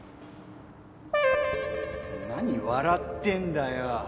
何笑ってんだよ！